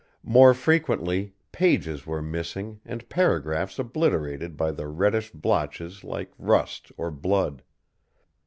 More frequently, pages were missing and paragraphs obliterated by the reddish blotches like rust or blood.